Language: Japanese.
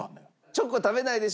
チョコ食べないでしょ